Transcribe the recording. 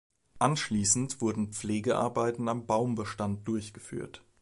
Anschließend wurden Pflegearbeiten am Baumbestand durchgeführt.